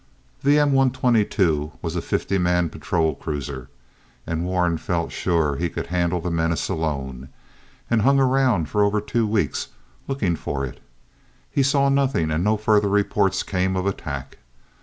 The M 122 was a fifty man patrol cruiser, and Warren felt sure he could handle the menace alone, and hung around for over two weeks looking for it. He saw nothing, and no further reports came of attack.